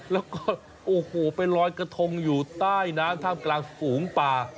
แล้วก็โอ้โหไปลอยกระทงอยู่ใต้น้ำท่ามกลางฝูงป่า